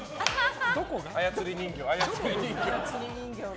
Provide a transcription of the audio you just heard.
操り人形だ。